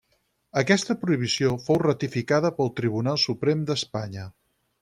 Aquesta prohibició fou ratificada pel Tribunal Suprem d'Espanya.